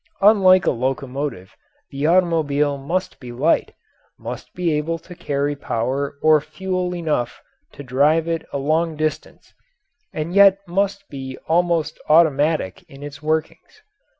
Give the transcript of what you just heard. Unlike a locomotive, the automobile must be light, must be able to carry power or fuel enough to drive it a long distance, and yet must be almost automatic in its workings.